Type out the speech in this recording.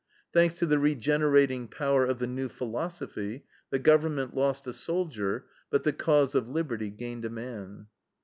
Thanks to the regenerating power of the new philosophy, the government lost a soldier, but the cause of liberty gained a man.